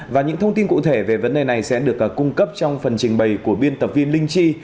và những thông tin cụ thể về vấn đề này sẽ được cung cấp trong phần trình bày của biên tập viên linh chi